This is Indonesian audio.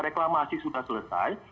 reklamasi sudah selesai